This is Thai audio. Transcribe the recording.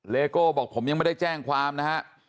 โก้บอกผมยังไม่ได้แจ้งความนะฮะ